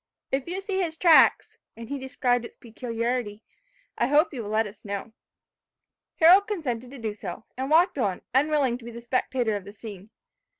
If you see his track" (and he described its peculiarity), "I hope you will let us know." Harold consented to do so, and walked on, unwilling to be the spectator of the scene.